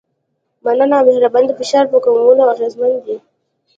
مننه او مهرباني د فشار په کمولو اغېزمن دي.